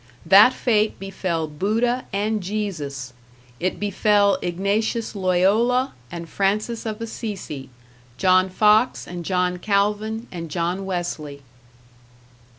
That fate befell Buddha and Jesus, it befell Ignatius Loyola and Francis of Assisi, John Fox and John Calvin and John Wesley.